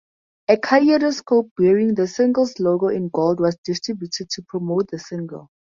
A kaleidoscope bearing the single's logo in gold was distributed to promote the single.